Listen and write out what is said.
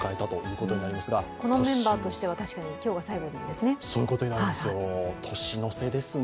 このメンバーとしては確かに今日が最後ですね。